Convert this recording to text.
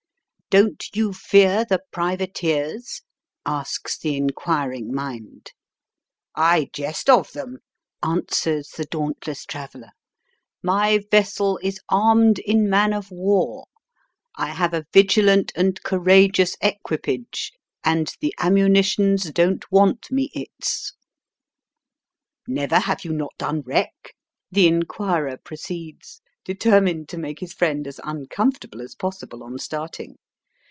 " Don't you fear the privateers ?" asks the inquiring mind. " I jest of them," answers the dauntless traveller. " My vessel is armed in man of war. I have a vigilant and courageous equipage, and the ammunitions don't want me its." '^ Never have you not done wreck? " the inquirer proceeds, determined to make his friend as uncomfortable as possible on starting.